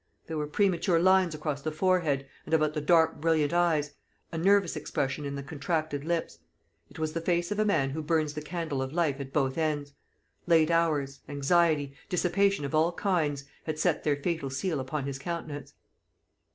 There were premature lines across the forehead, and about the dark brilliant eyes; a nervous expression in the contracted lips. It was the face of a man who burns the candle of life at both ends. Late hours, anxiety, dissipation of all kinds, had set their fatal seal upon his countenance.